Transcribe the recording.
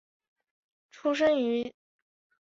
出身于岐阜县岐阜市。